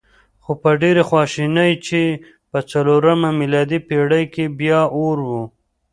خو په ډېرې خواشینۍ چې په څلورمه میلادي پېړۍ کې بیا اور و.